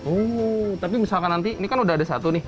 oh tapi misalkan nanti ini kan udah ada satu nih